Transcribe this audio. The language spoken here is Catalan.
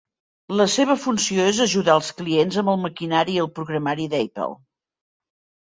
La seva funció es ajudar els clients amb el maquinari i el programari d'Apple.